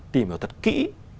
tìm hiểu thật kỹ